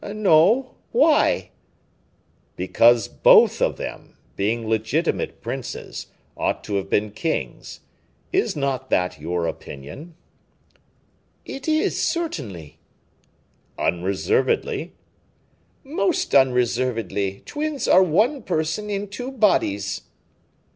"No. Why?" "Because both of them, being legitimate princes, ought to have been kings. Is not that your opinion?" "It is, certainly." "Unreservedly?" "Most unreservedly; twins are one person in two bodies."